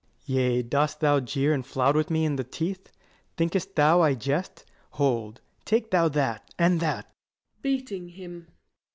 Ant. S. Yea, dost thou jeer and flout me in the teeth? Think'st thou I jest? Hold, take thou that, and that. [_Beating him.